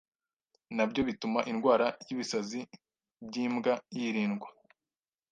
nabyo bituma indwara y’ ibisazi by’ imbwa yirindwa